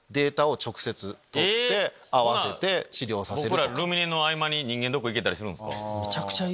ほな僕らルミネの合間に人間ドック行けたりするんすか。